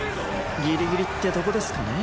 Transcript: ギリギリってとこですかネ。